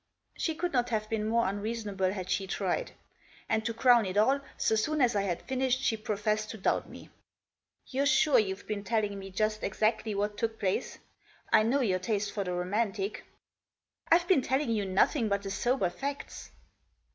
She could not have been more unreasonable had she tried. And to crown it all) so soon as I had finished she professed to doubt me. " You're sure you've been telling me just exactly what took place. I know your taste for the romantic/' "IVe been telling you nothing but the sober facts."